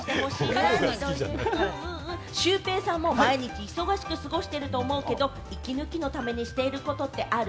シュウペイさんも毎日忙しく過ごしてると思うけれど、息抜きのためにしていることってある？